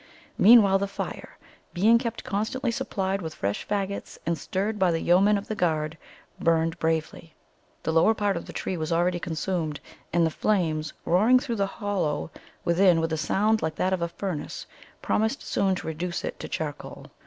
Meanwhile the fire, being kept constantly supplied with fresh fagots, and stirred by the yeomen of the guard, burnt bravely. The lower part of the tree was already consumed, and the flames, roaring through the hollow within with a sound like that of a furnace, promised soon to reduce it to charcoal.